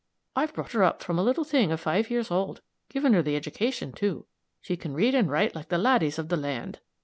I've brought her up from a little thing of five years old given her the education, too. She can read and write like the ladies of the land."